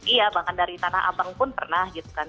iya bahkan dari tanah abang pun pernah gitu kan